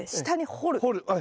掘る。